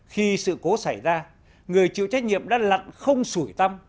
khi sự cố xảy ra người chịu trách nhiệm đã lặn không sủi tâm